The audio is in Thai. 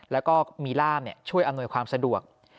แล้วก็มีร่ามช่วยอำนวยความสะดวก